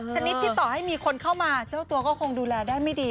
ชนิดที่ต่อให้มีคนเข้ามาเจ้าตัวก็คงดูแลได้ไม่ดี